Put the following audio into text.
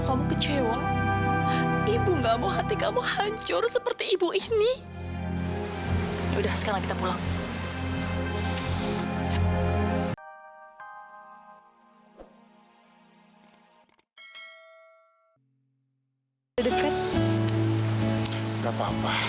sampai jumpa di video selanjutnya